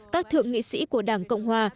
các thượng nghị sĩ của đảng cộng hòa